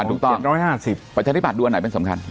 ถูกต้อง๑๕๐ประชาธิบัตย์ดูอันไหนเป็นสำคัญ